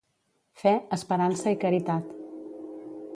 Fe, esperança i caritat.